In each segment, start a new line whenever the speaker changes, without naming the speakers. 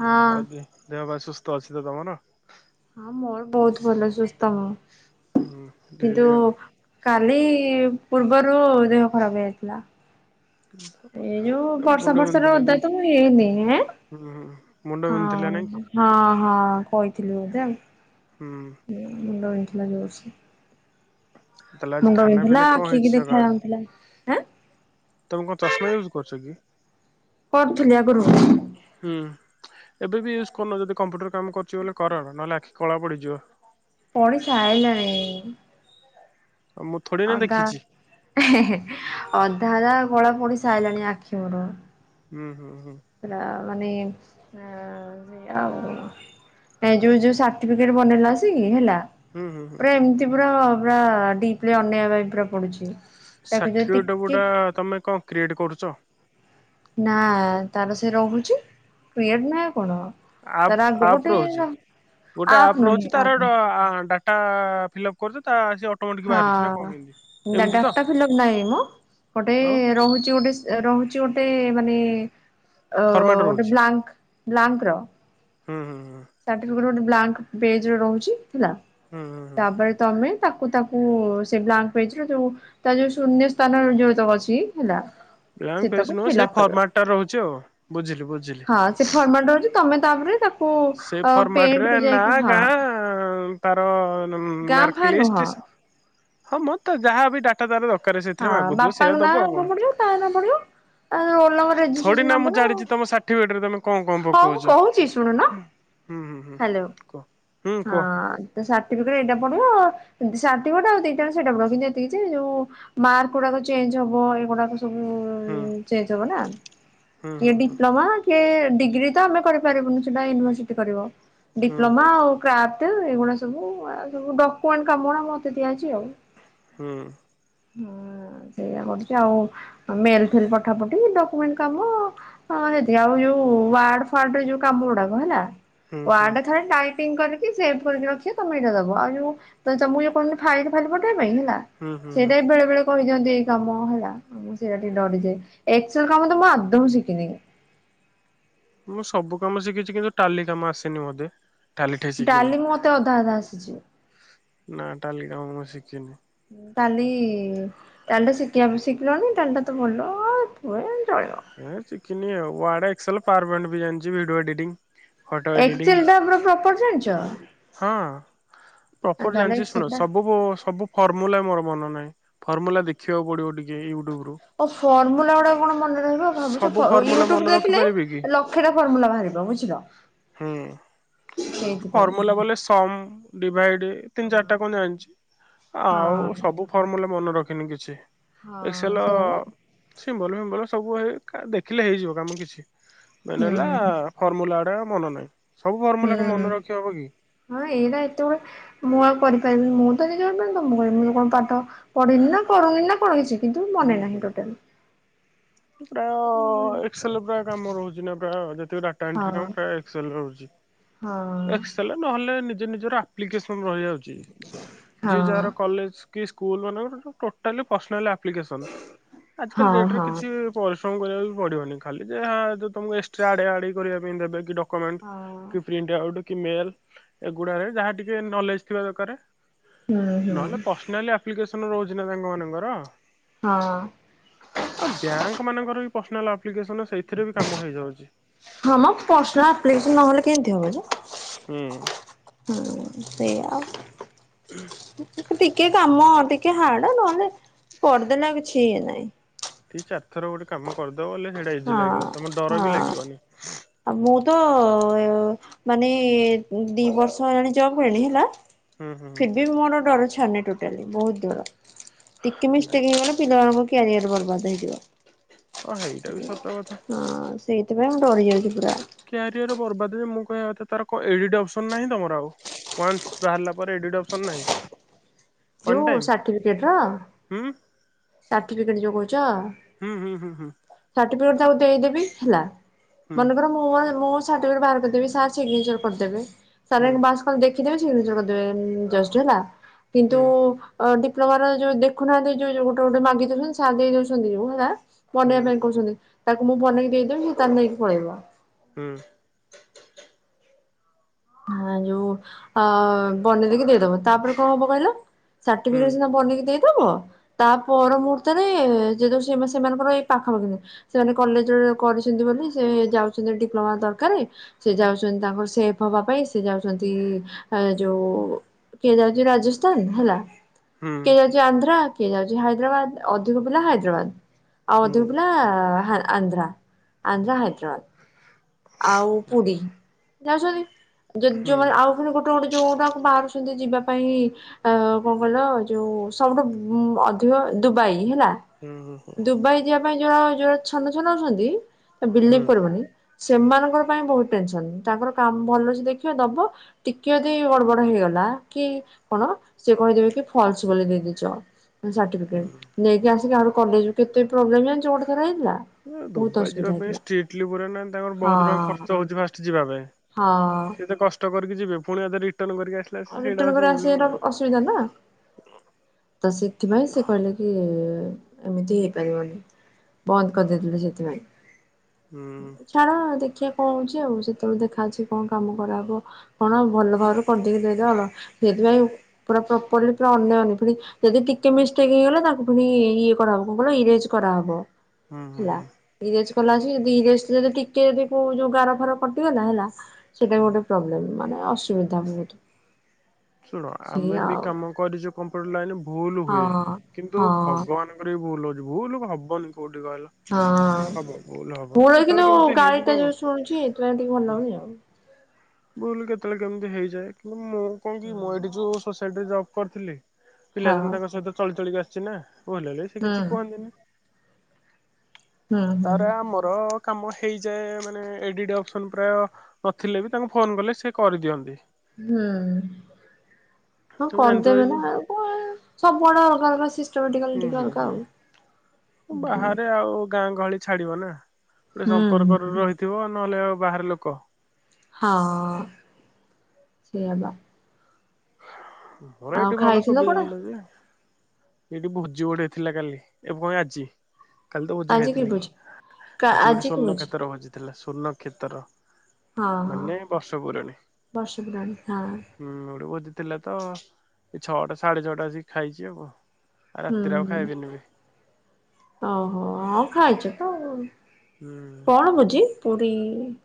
ହଁ
ଆଉ ଦି ଦେହ ଭାଇ ସୁସ୍ଥ ଅଛି ତ ତମର?
ହଁ ମୋର ବହୁତ ଭଲ ସୁସ୍ଥ ମୁଁ
ହୁଁ ରେଡି
କିନ୍ତୁ
ଆଉ
କାଲି ପୂର୍ବରୁ ଦେହ ଖରାପ ହେଇଯାଇଥିଲା। ଏଇ ଯୋଉ ବର୍ଷା
ମୁଣ୍ଡ
ବର୍ଷାରେ
ବିନ୍ଧୁଥିଲା
ଓଦା
ନାଇଁ
ତ ମୁଁ ହେଇନି ଏ
ହୁଁ ହୁଁ ମୁଣ୍ଡ ବିନ୍ଧୁଥିଲା
ହଁ
ନାଇଁ କି?
ହଁ ହଁ କହିଥିଲି ବୋଧେ ଆଉ।
ହୁଁ।
ମୁଣ୍ଡ ବିନ୍ଧିଲା ଜୋର ସେ।
ତାହଲେ ଆଜି ଖାନା
ବିନ୍ଧୁଥିଲା
ପିନା କଣ
ଆଖିକି
ହେଇଛି
ଦେଖା
ସକାଳେ?
ଯାଉନଥିଲା ଆଁ
ତମେ କଣ ଚଷମା ୟୁଜ୍ କରୁଛ କି?
କରୁଥିଲି ଆଗରୁ
ହୁଁ ଏବେ ବି ୟୁଜ୍ କରୁନ ଯଦି କମ୍ପୁଟର କାମ କରୁଛି ବୋଲି କର ନହେଲେ ଆଖି କଳା ପଡିଯିବ।
ପଡ଼ି ସାରିଲାଣି।
ଆଉ ମୁଁ ଥୋଡି ନା
ଅଧା
ଦେଖିଛି
ଅଧା କଳା ପୋଡି ସାରିଲାଣି ଆଖି ମୋର।
ହୁଁ ହୁଁ ହୁଁ।
ହେଲା ମାନେ ପା ଆଉ ଯୋଉ ତା ଯୋଉ ଯୋଉ ସାଟିଫିକେଟ ବନେଇଲୁ ଆସିକି ହେଲା
ହୁଁ ହୁଁ ହୁଁ
ପୁରା ଏମିତି ପୁରା ଡିପ ରେ ଅନେଇବାକୁ ପଡୁଛି। ତାକୁ ଯଦି
ସାଠିଫିକଟେ
ଟିକେ
ଗୁରା ତମେ କଣ କ୍ରିଏଟ କରୁଛ?
ନା ତାର ସେ ରହୁଛି କିୟ ନାହଁ କଣ ତାର
ଆପ୍
ଆଗ
ଆପ
ଗୋଟେ
ରହୁଛି ଗୋଟେ ଆପ୍
ନୁହେଁ
ରହୁଛି ତାର
ଆପ୍ ନୁହେଁ
ତା ଫିଲଅପ୍ କରୁଛ ଆ
ହଁ ଡାଟା ଫିଲପ ନାହିଁ ମ ଗୋଟେ
ଆଉ
ରହୁଛି ଗୋଟେ ରହୁଛି ଗୋଟେ ମାନେ ଅ
ଫର୍ମାଟ
ଗୋଟେ
ରହୁଛି
ବ୍ଲାଙ୍କ ବ୍ଲାଙ୍କର
ହୁଁ ହୁଁ ହୁଁ।
ସାଟିଫିକେଟ ଗୋଟେ ବ୍ଲାଙ୍କ ପେଜ ରେ ରହୁଛି ହେଲା।
ହୁଁଁ।
ତାପରେ ତମେ ତାକୁ ତାକୁ ସେ ବ୍ଲାଙ୍କ ପେଜ ର ଯୋଉ ତା ଯଉ ଶୂନ୍ୟ ସ୍ଥାନ ଯେଉ ତକ ଅଛି ହେଲା
ବାଙ୍କ
ସେତକ
ପେଜ ନୁହଁ ସେଇ
ଫିଲ୍ଅପ୍ କରିବ।
ଫର୍ମାଟ ଟା ରହୁଛି ଆଉ ବୁଝିଲି ବୁଝିଲି।
ହଁ ସେ ଫର୍ମାଲ ରହୁଛି ତମେ ତାପରେ ତାକୁ
ସେଇ
ଅ
ଫର୍ମାଟ
ପେଣ୍ଟ
ରେ
କୁ
ନା,
ଯାଇକି ହଁ
ଗାଁ ତାର ହ ମ ତାର
ଗାଁ
ମାକ୍
ଫାଁ
ଲିଷ୍ଟ୍
ନୁହଁ
ସମସ୍ତେ ଯାହା ବି ଡା ଟା ତାର ଦରକାର ସେଥିରେ
ହଁ
ମାଗୁଥିବ
ବାପାଙ୍କ
ସେଇୟା
ନାଁ
ଦବ ଆଉ
ଆଗ
କଣ।
ପଡିବ ତା ନାଁ ପଡିବ ରୋଲ ନମ୍ବର
ଥୋଡି
ରେଜିଷ୍ଟ୍ରେସନ
ନା ମୁଁ
ନମ୍ବର ଆଉ
ଜାଣିଚି ତମ ସାଟିଫିକଟେ ରେ ତମେ କଣ କଣ
ହଉ ମୁଁ
ପକାଉଛ।
କହୁଛି ଶୁଣୁନ
ହୁଁ ହୁଁ ହୁଁ
ହ୍ୟାଲୋ
କହ
ହଁ। ତ ସାର୍ଟିଫିକେଟ ଏଇଟା ପଡିବ ସାର୍ଟିଫିକେଟ ଆଉ ଦିଟାେ ସେଇଟା ପଡିବ କିନ୍ତୁ ଏତିକ କିଛି ଯୋଉ ମାର୍କ ଗୁଡାକ ଚେଞ୍ଜ ହବ ଏଇଗୁଡା ଉନ୍
ହୁଁ
ଚେଞ୍ଜ ହେବ ନା
ହୁଁ ହୁଁ
କିଏ
ହୁଁ
ଡିପ୍ଲୋମା ଡିଗ୍ରୀ ତ ଆମେ କରିପାରିବୁନୁ ସେଟା ୟୁନିଭର୍ସିଟି କରିବ
ହୁଁ ହୁଁ।
ଡିପ୍ଲୋମା ଆଉ ପଟ ଏଇଗୁଡା ସବୁ ସବୁ ଡକ୍ୟୁମେଣ୍ଟ କାମ ରା ମତେ ଦିଆଯଛି ଆଉ।
ହୁଁ।
ହୁଁ ସେଇଟା କରୁଛି ଆଉ। ମେଲ ଫେଲ ପଠା ପଠି ଡକୁମେଣ୍ଟ କାମ। ହଁ ସେଠି ଆଉ ଯୋଉ ୱାର୍ଡ ଫାର୍ଡରେ ଯୋଉ କାମ ଗୁଡାକ ହେଲା
ହୁଁ
ୱାର୍ଡରେ
ହୁଁ
ଖାଲି ଟାଇମ ଫ କରିକି ସେଭ୍ କରିକି ରଖି ତମେ ଏଇଟା ଦବ ଆଉମକୁ କ ଫାଇଲି ଫାଲି ପଠେଇବା ପାଇଁ ହେଲା
ହୁଁ ହୁଁ
ସେଇଟା ବି ବେଳେବେଳେ କରିଦିଅନ୍ତି ଏଇ କାମ ହେଲା ଆ ସେଇଟା ଟିକେ ଡରିଯାଏ ଏକ୍ସଲ କାମ ତ ମୁଁ ଆଦଉ ଶିଖିନି କି
ମୁଁ ସବୁ କାମ ଶିଖିଛି କିନ୍ତୁ ଟାଲି କାମ ଆସିନି ମତେ। ଟାଲିଠେ ଶିଖିନି
ଡାଲି ମତେ ଅଧା ଅଧା ଆସିଛି
ନା ଟାଲି କାମ ମୁ ଶିଖିନି।
କାଲି ତାହେଲେଟା ଶିଖିବା ଶିଖିଲନି ତାହେଲେଟା ତ ଭଲ ଆଉ ପୁ ଚଳିବ।
ଏ ଶିଖିମି ୱାଡ ଏକ୍ସଲ ପାୱାର ପଏଣ୍ଟ ବି ଜାଣିଛିଭଡିଓ ଏଡିଟିଂ। ଫୋଟୋ ଏଡିଟିଂ
ଏକ୍ସେଲ ଟା ପୁରା ପ୍ରପର ଜାଣିଛ
ହଁ। ପ୍ରପର
ତାହେଲେ
ଜାଣିଛି
ଏକ୍ସେଲ
ଶୁଣ
ଟା
ସବୁ ସବୁ ଫର୍ମୁଲା ମୋର ମନ ନାହିଁ ଫର୍ମୁଲା ଦେଖିବାକୁ ପଡିବ ଟିକେ ୟୁଟ୍ୟୁବ ରୁ।
ଓ ଫର୍ମୁଲା ଗୁଡା କଣ ମନେ ରହିବ ଭାବୁଛ
ସବୁ ଫର୍ମୁଲା
ୟୁଟୁବ
ମନେ
ଦେଖିଲେ
ରଖିପାରିବି କି?
ଲକ୍ଷ ଟା ଫର୍ମୁଲା ବାହାରିବ ବୁଝିଲ।
ହୁଁ
ସେଇଥିପାଇଁ
ଫର୍ମଲା ବଲେ ସମ ଡିଭାଇଡ ତିନି ଚାରିଟା କଣ ଜାଣିଛି ଆଉ
ହଁ
ସବୁ ଫର୍ମୁଲା ମନେ ରଖିନି କିଛି
ହଁ
ଏକ୍ସେଲ
ସେଇଆ ବା
ସିମ୍ବଲ ଫିମ୍ବଲ୍ ସବୁ ହେ ଦେଖିଲେ ହେଇଯିବ କାମ କିଛି ମେନ୍
ହୁଁ
ହେଲା ଫର୍ମୁଲା ଗୁଡା ମନେ ନାହିଁ। ସବୁ ଫର୍ମୁଲା କଣ
ହୁଁ
ମନେ ରଖି ହବ କି?
ହଁ ଏଇଟା ଏତେ ଗଡ ମୁଁ ଆଉ କରିପାରିବିନି ମୁଁ ତ ନିଜ ତ ମୁଁ କରିବି ଯଉ କଣ ପାଠ ପଢନି ନା କରନି ନା କଣ କିଛି କିନ୍ତୁ
ହୁଁ
ମନେ ନାହିଁ
ହୁଁ।
ଟୋଟାଲ।
ପ୍ରାୟ
ହଁ
ଏକ୍ସଲ ପ୍ରାୟ କାମ ରହୁଛି ନା ପ୍ରାୟ ଯେତେକ ଡାଟା ଏଣ୍ଟ୍ରି କାମ ପ୍ରାୟ ଏକ୍ସଲ ରହୁଛି।
ହଁ।
ଏକ୍ସଏଲ ନହେଲେ ନିଜ ନିଜର ଆପ୍ଲିକେସନ ରହିଯାଉଛି ଯିଏ
ହଁ
ଯାହାର କଲେଜ କି ସ୍କୁଲ୍ ମାନଙ୍କର ଟୋଟାଲି ପର୍ସନାଲ୍ ଆପ୍ଲିକେସନ୍ ଆଜିକାଲି
ହଁ
ଡେଟରେ
ହଁ।
କିଛି ପରିଶ୍ରମ କରିବାକୁ ପଡିବନି ଖାଲି ଯେ ତମକୁ ଏକ୍ସଟ୍ରା ଆଡେ ଆଡେଇ କରିବା ପାଇଁ ଦେବେ କି ଡ ମେଣ୍ଟ
ହଁ
କି ପ୍ରିଣ୍ଟ ଆଉଟ୍ କି ମେଲ ଏଗୁଡାରେ ଯାହା ଟିକେ ନଲେଜ ଥିବା ଦରକାର।
ହୁଁ ହୁଁ
ନହେଲେ ପର୍ସନାଲି ଆପ୍ଲିକେସନ ରହୁଛି ନା ତାଙ୍କ ମାନଙ୍କର।
ହଁ।
ଆଉ ବ୍ୟାଙ୍କ ମାନଙ୍କର ବି ପର୍ସନାଲ ଆପ୍ଲିକେସନ ସେଇଥିରେ ବି କାମ ହେଇଯାଉଛି।
ହଁ ମ ପର୍ସନାଲ୍ ଆପ୍ଲିକେସନ ନହେଲେ କେନ୍ତି ହବ ଯେ?
ହୁଁ।
ହୁଁ ସେୟା ଆଉ ଟିକେ କାମ ଟିକେ ହାର୍ଡ ନହେଲେ କରିଦେଲା କିଛି ଇଏ ନାହିଁ।
ଦି ଚାରିଥର ଗୋଟେ କାମ କରିଦବ ବଲେ ହେଇଟା
ହଁ
ଇଜି ଲାଗିବ ତମ ଡର ବି
ହଁ।
ଲାଗିବନି।
ଆଉ ମୁଁ ତ ମାନେ ଦି ବର୍ଷ ହେଲାଣି ଜବ କଲିଣି ହେଲା।
ହୁଁ ହୁଁ ହୁଁ
ଫିର ବି ମୋର ଡର ଛାଡୁନି ଟୋଟାଲି ବହୁତ ଡର ଟିକେ
ନାଇଁ
ମିଷ୍ଟେକ ହେଇଗଲେ ପିଲାମାନଙ୍କ କ୍ୟାରିଅର ବର୍ବାଦ ହେଇଯିବ।
ହଁ ହେଇଟା ବି ସତ କଥା।
ହଁ ସେଇଥିପାଇଁ ମୁଁ ଡରି ଯାଉଛି ପୁରା।
କ୍ୟାରିୟର ବର୍ବାଦ ହୁଏ ମୁଁ କହିବା କଥା ତାର କ ଏଡିଟ୍ ଅପସନ ନାହିଁ ତମର ଆଉ ୱାନ୍ସ ବାହାରିଲା ପରେ ଏଡିଟ୍ ଅପସନ୍ ନାହିଁ। ୱାନ୍
ଯୋଉ
ଟାଇମ୍
ସାର୍ଟିଫିକେଟର?
ହୁଁ
ସାର୍ଟିଫିକେଟ୍ ଯୋଉ କହୁଛ?
ହୁଁ ହୁଁ ହୁଁ ହୁଁ।
ସାର୍ଟିଫିକେଟ ତାକୁ ଦେଇଦେବି ହେଲା
ହୁଁ
ମନେକର ମୁଁ ଆ ମୋ ସାର୍ଟିଫିକେଟ ବାହାର କରିଦବି ସାର୍ ସିଗ୍ନେଚର କରିଦେବ [unintelligible] କଣ ଦେଖିଦେବେ ସିଗ୍ନେଚାର କରିଦେବେ ଜଷ୍ଟ ହେଲା। ତୁ
ହୁଁ
ଡିପ୍ଲୋମାର ଯୋଉ ଦେଖୁନାହାନ୍ତି ଯୋଉ ଯୋଉ ଗୋଟେ ଗୋଟେ ମାଗି ଦଉଛନ୍ତି ସାର ଦେଇ ଦଉଛନ୍ତି ଯୋଉ ହେଲା।
ହୁଁ
ବନେଇବା ପାଇଁ କହୁଛନ୍ତି ତାକୁ ମୁଁ ବନେଇକି ଦେଇଦେବି ସେ ତାର ନେଇକି ପଳେଇବ।
ହୁଁ।
ହଁ ଯୋଉ ଅ ବନେଦେଇକି ଦେଇଦବ ତାପରେ କଣ ହବ କହିଲ?
ହୁଁ ହୁଁ ହୁଁ
ସାର୍ଟିଫିକେଟ ସିନା ବନେଇକି ଦେ ବ ତା ପର ମୁହୂର୍ତ୍ତରେ ଯେତ ସେମାନଙ୍କର ଏଇ ପାଖାପାଖି ନି ସେମାନେ କଲେଜରେ କରିଛନ୍ତି ବୋଲି ସେ ଯାଉଛନ୍ତି ଡିପ୍ଲୋମା ଦରକାରେ ସେ ଯାଉଛନ୍ତି ତାଙ୍କର ସେପ ମୋ ବାପା ଏସି ଯାଉଛନ୍ତି ଯୋଉ କିଏ ଯାଉଛି ରାଜସ୍ଥାନ ହେଲା?
ହୁଁ ହୁଁ ହୁଁ
କିଏ ଯାଉଛି ଆନ୍ଧ୍ରା କିଏ ଯାଉଛି ହାଇଦ୍ରାବାଦ ଅଧିକ ପିଲା ହାଇଦ୍ରାବାଦ ଆଉ
ହୁଁ
ଅଧିକ ପିଲା ହା ଆନ୍ଧ୍ରା ଆନ୍ଧ୍ରା ହାଇଦ୍ରାବାଦ୍ ଆଉ ପୁରୀ ଯାଉଛନ୍ତି ଯଦି ଯୋଉ ମାନେ ଆଉ ଗୋଟେ ଗୋଟେ ଯୋଉଟାକୁ ବାହାରୁଛନ୍ତି ଯିବା ପାଇଁ ଆ କଣ କହିଲ ଯୋଉ ସବୁଠୁ ଅଧିକ ଦୁବାଇ ହେଲା।
ହୁଁ ହୁଁ ହୁଁ
ଦୁବାଇ ଯିବା ପାଇଁ ଯ ଯୋଉ ଗୁରା ଛନ ଛନ ହଉଛନ୍ତି ତ ବିଲିଭ କରିବନି ସେମାନଙ୍କର ପାଇଁ ବହୁତ ଟେନସନ ତାଙ୍କର କାମ ଭଲ ସେ ଦେଖିବ ଦବ ଟିକିଏ ଯଦି ଗଡବଡ ହେଇଗଲା କି କଣ ସିଏ କହି ଦେବେ କି ଫଲ୍ସ ବୋଲି ଦେଇଦେଇଚ।
ହୁଁ।
ସାର୍ଟିଫିକେଟ୍ ନେଇକି ଆସିକି ଆହୁରି କଲେଜ୍ କେତେ ପ୍ରୋବ୍ଲେମ୍ ଜାଣିଚ ଗୋଟେ ଥର ହେଇଥିଲା ବହୁତ ଅସୁବିଧା ହେଇଥିଲା।
[unintelligible] ଗୁରା ନା ତାଙ୍କର ବହୁତ ଟଙ୍କା
ହଁ
ଖର୍ଚ୍ଚ ହଉଛି ଫାଷ୍ଟ ଯିବା ପାଇଁ।
ହଁ
ସେ ତ କଷ ଷ୍ଟ କରିକି ଯିବେ। ପୁଣି ଆଉଥରେ ରିଟର୍ଣ୍ଣ କରିକି ଆସିଲା
ଆଉ
ଆସିକି ସେଇଟା
ରିଟର୍ଣ
ହଉଚୁ
କରି
ପ୍ରୋବ୍ଲେମ୍।
[unintelligible] ନା? ତ ସେଥିପାଇଁ ସେ କହିଲେ କି ଏମିତି ହେଇପାରିବନି। ବନ୍ଦ କରିଦେଇଥିଲେ ସେଥିପାଇଁ,
ହୁଁ
ଛାଡ ଦେଖିଆ କଣ ହଉଛି ଆଉ ସେତେବେଳେ ଦେଖା ଅଛି କଣ କାମ କରା ହବ। କଣ ଭଲ ଭାବରେ କରିଦେଇକି ଦେ ଯାହା ହେଲା ସେଥିପାଇଁ ପୁରା ପ୍ରପରଲି ପୁରା ଅନା ଅନି ପୁରି ଯଦି ଟିକେ ମିଷ୍ଟେକ୍ ହେଇଗଲା ତାକୁ ପୁଣି ଇଏ କରାହବ, କଣ କହିଲ ଇରେଜ୍ କରାହବ।
ହୁଁ ହୁଁ
ହେଲା।
ହୁଁ
ଇରେଜ୍ କଲା ଯଦି ଇରେଜ୍ ଯଦି ଟିକେ ବି କୋଉ ଯୋଉ ଗାର ଫାର କଟିଗଲା ହେଲା, ସେଇଟା
ହୁଁ।
ଗୋଟେ ପ୍ରୋବ୍ଲେମ୍ ମାନେ ଅସୁବିଧା ବହୁତୁ।
ଶୁଣ ଆମେ ବି କାମ କରିଚୁ କମ୍ପ୍ୟୁଟର ଲାଇନ୍ ରେ ଭୁଲ ହୁଏ।
ହଁ
କିନ୍ତୁ
ହଁ
ଭଗବାନ ତାଙ୍କର ଭୁଲ ହଉଚି, ଭୁଲ ହବନି କୋଉଠି କହିଲ?
ହଁ।
ହବ ଭୁଲ ହବ
ମୋର କିନ୍ତୁ
କେତେବେଳେ କେମିତି
ଗାଳି ଟା
ହେଇଯିବ
ଯୋଉ ଶୁଣୁଛି ଏଥିପାଇଁ ଟିକେ ଭଲ
ହୁଁ,।
ଲାଗୁନି ଆଉ।
ବୁଲ କେତେବେଳେ କେମିତି ହେଇଯାଏ କିନ୍ତୁ ମୁଁ କଣ କି ମୁଁ ଏଠି ଯୋଉ ସୋସାଇଟିରେ ଜବ୍ କରିଥିଲି। ପିଲା
ହଁ
ଦିନୁ ତାଙ୍କ ସହିତ ଚଳି ଚଳିକି ଆସିଛି ନା ଭୁଲ ହେଲେ ବି ସେ
ହୁଁ
କିଛି କୁହନ୍ତିନି।
ହୁଁ ହୁଁ
ତାରେ ଆମର କାମ ହେଇଯାଏ ମାନେ ଏଡିଡ୍ ଅପସନ୍ ପ୍ରାୟ ନଥିଲେ ବି ତାଙ୍କୁ ଫୋନ୍ କଲେ ସେ କରିଦିଅନ୍ତି।
ହୁଁ, ହଁ
ତମେ ଜାଣିଥିବ
କରିଦେବେ
ଏଇ
ନା
ଯୋଉ
ଆଉ। [unintelligible] ସବୁଆଡ ଅଲଗା ଅଲଗା ସିଷ୍ଟମ୍ ଟିକଲ ଟିକେ ଅଲଗା ଆଉ।
ଓ
ହୁଁ
ବାହାରେ ଆଉ ଗାଁ ଗହଳି ଛାଡିବ ନା। ଗୋଟେ
ହୁଁ
ସମ୍ପର୍କରେ ରହି ଥିବ ନହେଲେ ଆଉ ବାହାର ଲୋକ।
ହଁ ସେଇଆ ବା।
ମୋର
ଆଉ
ଏଠି ଭଲ
ଖାଇଥିଲ କଣ
ସୁବିଧା ଥିଲା ଯେ। ଏଇଠି ଭୋଜି ଗୋଟେ ଥିଲା କାଲି। ଏ ପୁଣି ଆଜି। କାଲି ତ ଭୋଜି
ଆଜି କି
ଖାଇଥିଲି।
ଭୋଜି? କା
ଆଜି ଗୋଟେ
ଆଜି କି
ସ୍ଵର୍ଣ୍ଣ କ୍ଷେତ୍ର ଭୋଜି ଥିଲା। ସ୍ଵର୍ଣ୍ଣ କ୍ଷେତର।
ହଁ ହଁ
ମାନେ ବର୍ଷ ପୁରଣୀ।
ବର୍ଷେ ପୁରାଣି ହଁ
ହୁଁ, ଗୋଟେ ଭୋଜି ଥିଲା ତ, ଏ ଛଅଟା ସାଢେ ଛଅଟା ଆସିକି ଖାଇଛି ଆଉ କଣ।
ହୁଁ, ହୁଁ, ଓହୋ ହଁ ଖାଇଛ ତ।
ହୁଁ।
କଣ ବୁଝି? ପୁରି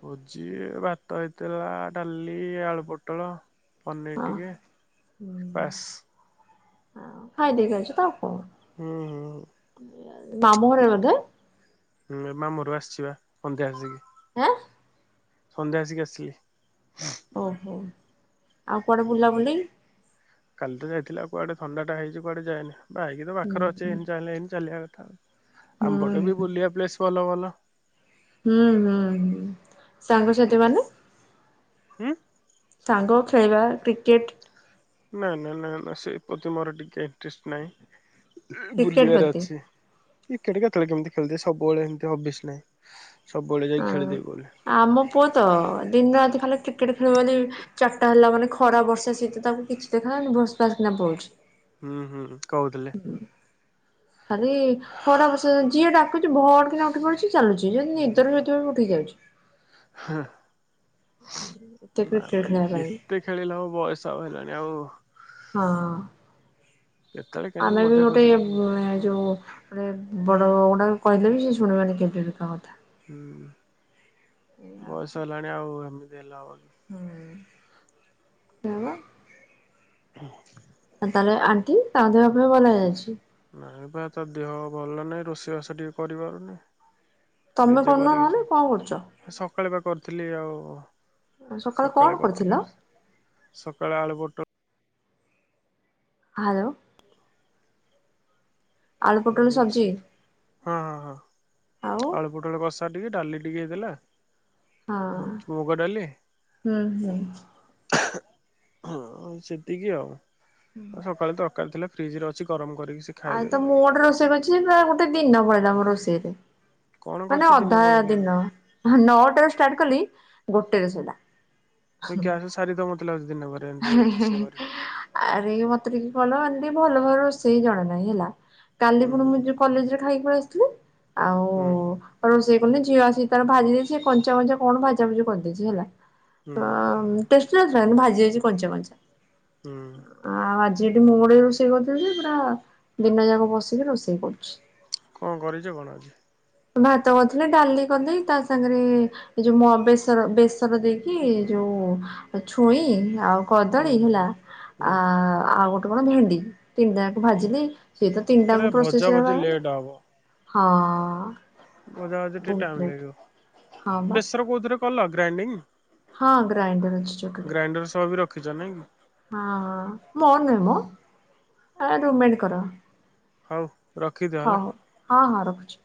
ଭୋଜି ଭାତ ହେଇଥିଲା ଡାଲି ଆଳୁ ପୋଟଳ, ପନିର୍
ହଁ।
ଟିକେ। ପାସ୍।
ହଁ ଖାଇ ଦେଇକି ଆଇଛ ତ ଆଉ କଣ,
ହୁଁ
ଏ, ଆ, ମାମୁଁଘରେ ବୋଧେ?
ହୁଁ, ଏ ମାମୁଁଘରକୁ ଆସିିଛି ବା, ସନ୍ଧ୍ୟା ଆସିକି।
ଆଁ,
ସନ୍ଧ୍ୟା ଆସିକି ଆସିଲି।
ଓହୋ! ଆଉ କୁଆଡେ ବୁଲାବୁଲି?
କାଲି ତ ଯାଇଥିଲେ, ଆଉ କୁଆଡେ ଥଣ୍ଡା ଟା ହେଇଚି କୁଆଡେ ଯାଇନି। ବାଇକ୍ ତ ପାଖରେ ଅଛି ଇନ ଚାହିଁଲେ ଇନ ଚାଲିବା କଥା ଆଉ।
ହୁଁ
ଆମ ପଟେ ବି
ହୁଁ।
ବୁଲିବା ପ୍ଲେସ୍ ଭଲ ଭଲ।
ହୁଁ, ହୁଁ, ହୁଁ ସାଙ୍ଗସାଥି ମାନେ?
ହୁଁ।
ସାଙ୍ଗ ଖେଳିବା କ୍ରିକେଟ୍।
ନା, ନା, ନା, ନା ସେ ପ୍ରତି ମୋର ଟିକେ ଇଣ୍ଟରେଷ୍ଟ ନାହିଁ।
କ୍ରିକେଟ
ବୁଲିବାରେ
ପ୍ରତି
ଅଛି, କ୍ରିକେଟ୍ କେତେବେଳେ କେମିତି ଖେଳି ଦିଏ। ସବୁବେଳେ ଏମିତି ହବିସ୍ ନାହିଁ। ସବୁବେଳେ ଯାଇକି
ହଁ।
ଖେଳିଦେବି ବୋଲି।
ଆମ ପୁଅ ତ ଦିନ ରାତି ଖାଲି କ୍ରିକେଟ୍ ଖେଳିବ ବୋଲି ଚାଟା ହେଲା ମାନେ ଖ ଖରା, ବର୍ଷା, ଶୀତ ତାକୁ କିଛି ଦେଖାଯାଉନି ଭୁସ୍ ପାସ କିନା ପଳୁଛି।
ହୁଁ ହୁଁ। କହୁଥିଲେ
ହଁ ଖାଲି। ଖରା ବସି ଯାଇଚି ଯିଏ ଡାକୁଛି ଭଡ କିନା ଉଠି ପଡୁଛି ଚାଲୁଛି ଯଦି ନିଦରୁ ଶୋଇଥିବ ବି ଉଠି ଯାଉଛି।
ହଁ
ଏତେ
ନା
କ୍ରିକେଟ ଖେଳିବା ପାଇଁ
ଆଉଏତେ। ଖେଳିଲା ବୟସ ଆଉ ହେଲାଣି ଆଉ।
ହଁ।
କେତେବେଳେ କେମିତି
ଆମେ ବି
ମଜା
ଗୋଟେ
ଖୁସିରେ ଖେଳିଦବା କଥା।
ଯୋଉ। ଗୋଟେ ବଡ ଗୁଡାକ କହିଲେ ବି ସେ ଶୁଣିବେନି କେତୋ କଥା ବାତା
ହୁଁ ବୟସ ହେଲାଣି ଆଉ ଏମିତି ହେଲା ହବ।
ହୁଁ ଯବା।
ହୁଁ।
ତାହଲେ ଆଣ୍ଟି ତା ଦେ ଅପରେ ଭଲରେ ଅଛି।
ନାଇଁ ବା ତା ଦେହ ଭଲ ନହିଁ ରୋଷେଇବାସ ଟିକେ କରିପାରୁନି।
ତମେ
ନିଜେ
କରୁନ ନହେଲେ
କରିକି
କଣ କରୁଛ
ସକାଳେ ବା କରିୁଥିଲି ଆଉ ସକାଳେ କରିଥିଲ ସକାଳେ ଆଳୁ ପୁଟଳ
ହ୍ୟାଲୋ। ଆଳୁ
ହଁ
ପୋଟଳ
ମୋର
ସବଜି
ସେ ହଁ ହଁ ହଁ
ଆଉ
ଆଳୁପୁଟଳ କଷା ଟିକେ ଡାଲି ଟିକେ ହେଇ ଦେଲା।
ହଁ
ମୁଗଡଲେ
ହୁଁ ହୁଁ।
ହ ସେତିକି ଆଉ ହ ସକାଳେ ତରକାରୀ ଥିଲା। ଫ୍ରିଜ ରେ ଅଛି ଗରମ କରିକି ସେ
ଆଉ ତ ମୁଁ ଗୋଟେ ରୋଷେଇ କରିଛି ଯେ ପୁରା ଗୋଟେ ଦିନ ପଳିଲା ମୋ ରୋଷେଇରେ
କଣ କରିଛ
ମାନେ
ଦିନ
ଅଧା
ପଳେଇଲା ବେ
ଦିନ ନଅଟ ର ଷ୍ଟାର୍ଟ କଲି ଗୋଟେରେ ସିଲା
ତଁ ଗ୍ୟାସ୍ ସାରି ତ ମତେ ଲାଗୁ ଦିନ ବାର
ହେଁ ହେଁ ହେଁ ଆରେ ମତେ ଟିକେ କଲ ଟିକ ଭଲ ଭାବ ରୋଷେଇ ଜଣା ନାହିଁ ହେଲା କାଲି
ହୁଁ
ପୁଣି
ହୁଁ
ମୁଁ କଲେଜରେ ଖାଇକି ପଳ ଆସିଥିଲେ
ହୁଁ
ଆଉ ରୋଷେଇ କଲେ ଝିଅଆସି ତାର ଭାଜି ଦେଇଛି ସେ କଞ୍ଚା କଞ୍ଚା କଣ ଭାଜା ଫୁଜି କରିଦେଇଛି ହେଲା।
ହୁଁ
ଅ ଟେଷ୍ଟଟି ନଥିଲା କିନ୍ତୁ ଭାଜି ହେଉଛି କଞ୍ଚା କଞ୍ଚା-
ହୁଁ
ଆଉ ଆଜି ଏଠି ମୁଁ ଗୋଡିକ ରୋଷେଇ କରିଥିଲ ଯେ ପୁରା ଦିନ ଯାକ ବସିକି ରୋଷେଇ କରୁଛି।
କଣ କରିଛ କଣ ଅଛି?
ଭାତ କରିଥିଲେ ଡାଲି କରିଦେଇ ତା ସାଙ୍ଗରେ ଏ ଯୋଉ ମ ବେସର ବେସର ଦେଇକି ଯୋଉ ଛୁଇଁ ଆଉ
ହୁଁ
କଦଳୀ
ହୁଁ
ହେଲା
ହୁଁ
ଆ
ହୁଁ
ଆଉ ଗୋଟେ କଣ ଭେଣ୍ଡି ତିନିଟା
ହୁଁ।
ଭାଜିଲି ସେ ତ
ହେରା
ତିନିଟାଙ୍କୁ
ଭଜା
ପ୍ରୋସେସ
ଭଜି
ହୋର ହଁ
ମଜା ଆଜ ଟିକେ
ବହୁତ
ଟାଇମ୍
ଲେଟ୍ ହଁ
ଲାଗିବ
ବା
ବେସର କୋଉଥିରେ କଲ ଗ୍ରାଇଣ୍ଡିଙ୍ଗ?
ହଁ ଗ୍ରାଇଣ୍ଡର ଅଛି ଛୋଟଟେ
ଗ୍ରାଇଣ୍ଡର ସହବ ବି ରଖିଛ ନାଇଁ କି
ହଁ ମୋର ନୁହେଁ ମୋ ଆ ରୁମେଣ୍ଡ କର
ହଉ ରଖିଦିଅ ହେଲା।
ହଁ ହଁ ରଖୁଛି।